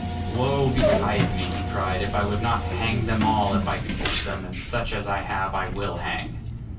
'Woe betide me,' he cried, 'if I would not hang them all if I could catch them, and such as I have I will hang.